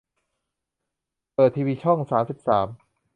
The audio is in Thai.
เปิดทีวีช่องสามสิบสาม